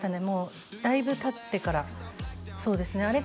もうだいぶたってからそうですね